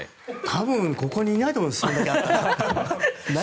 多分ここにいないと思います。